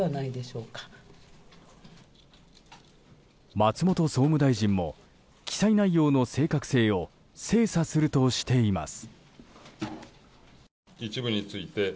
松本総務大臣も記載内容の正確性を精査するとしています。